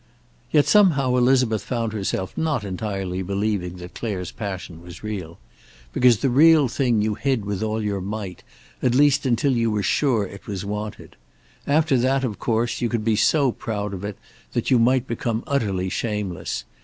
Yet, somehow, Elizabeth found herself not entirely believing that Clare's passion was real. Because the real thing you hid with all your might, at least until you were sure it was wanted. After that, of course, you could be so proud of it that you might become utterly shameless.